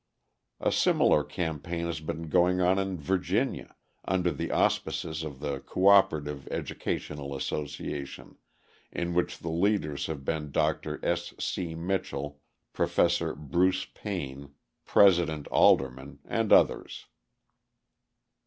A similar campaign has been going on in Virginia, under the auspices of the Coöperative Educational Association, in which the leaders have been Dr. S. C. Mitchell, Professor Bruce Payne, President Alderman, and others.